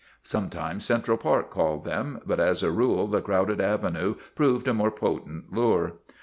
Sometimes Central Park called them, but as a rule the crowded avenue proved a more potent lure.